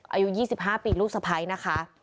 อายุ๒๕ปีลูกสะพ้ายนะคะ